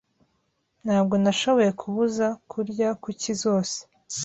Ntabwo nashoboye kubuza kurya kuki zose.